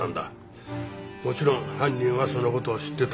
もちろん犯人はその事を知ってた。